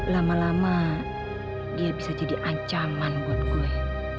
lama lama dia bisa jadi ancaman buat gue